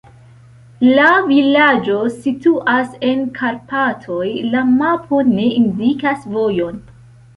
La vilaĝo situas en Karpatoj, la mapo ne indikas vojon.